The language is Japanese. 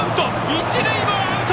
一塁もアウト！